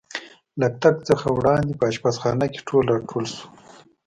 له تګ څخه وړاندې په اشپزخانه کې ټول را ټول شو.